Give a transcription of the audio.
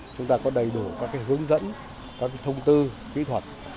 chúng ta có đầy đủ các hướng dẫn các thông tư kỹ thuật